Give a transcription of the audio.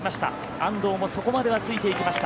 安藤もそこまではついていきました。